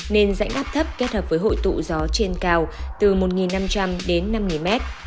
nên rãnh áp thấp kết hợp với hội tụ gió trên cao từ một năm trăm linh đến năm mét